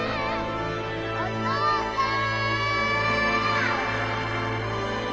お父さん！